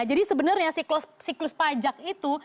jadi sebenarnya siklus pajak itu